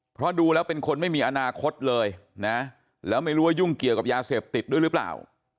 เพราะดูแล้วเป็นคนไม่มีอนาคตเลยนะแล้วไม่รู้ว่ายุ่งเกี่ยวกับยาเสพติดด้วยหรือเปล่า